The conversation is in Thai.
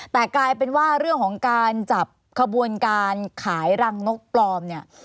แต่กลายเป็นว่าเรื่องของการจับขบวนการขายรังนกปลอมเนี่ย